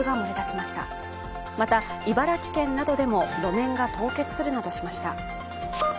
また、茨城県などでも路面が凍結するなどしました。